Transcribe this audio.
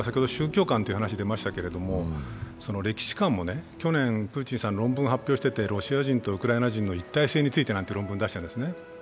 宗教観という話が出ましたけれども、歴史観もね、去年、プーチンさんは論文を発表していてロシア人とウクライナ人の一体性についてなんて論文を出しているんですね。